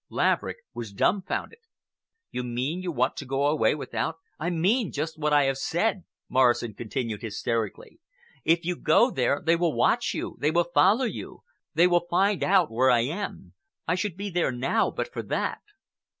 Laverick was dumfounded. "You mean you want to go away without—" "I mean just what I have said," Morrison continued hysterically. "If you go there they will watch you, they will follow you, they will find out where I am. I should be there now but for that."